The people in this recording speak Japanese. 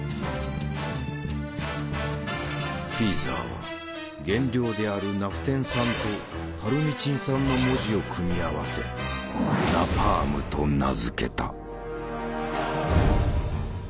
フィーザーは原料であるナフテン酸とパルミチン酸の文字を組み合わせ「ナパーム」と名付けた。